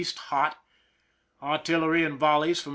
— hot. Artillery and volleys from N.